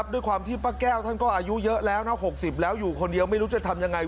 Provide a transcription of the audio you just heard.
ด้วยความที่ป้าแก้วท่านก็อายุเยอะแล้วนะ๖๐แล้วอยู่คนเดียวไม่รู้จะทำยังไง